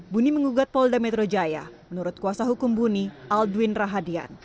buni mengugat polda metro jaya menurut kuasa hukum buni aldwin rahadian